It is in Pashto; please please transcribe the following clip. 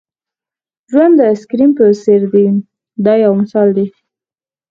ژوند د آیس کریم په څېر دی دا یو مثال دی.